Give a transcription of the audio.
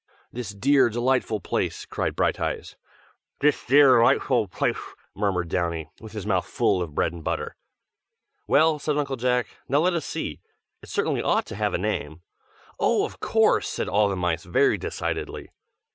"This dear, delightful place!" cried Brighteyes. "Dis dear, 'lightful plafe!" murmured Downy, with his mouth full of bread and butter. "Well," said Uncle Jack, "now let us see. It certainly ought to have a name." "Oh! of course!" said all the mice very decidedly.